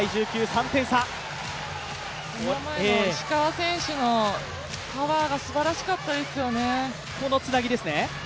石川選手のカバーがすばらしかったですよね。